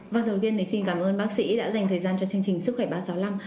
vâng đầu tiên xin cảm ơn bác sĩ đã dành thời gian cho chương trình sức khỏe ba sáu năm